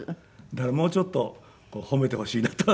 だからもうちょっと褒めてほしいなと。